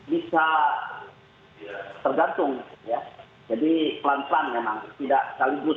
bisa tergantung ya jadi pelan pelan memang tidak sekaligus